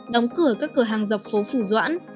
đóng cửa các cửa hàng dọc phố phủ doãn